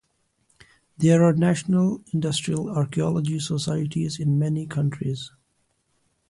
There are national industrial archaeology societies in many countries.